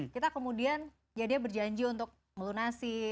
kita kemudian jadinya berjanji untuk belu nasi